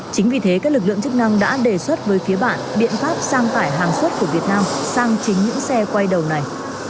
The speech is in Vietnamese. chính vì thế các lực lượng chức năng đã đề xuất với phía bạn biện pháp sang vải hàng xuất của việt nam sang chính những xe quay đầu này